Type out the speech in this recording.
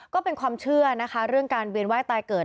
ก็เป็นความเชื่อนะคะเรื่องการเวียนไห้ตายเกิด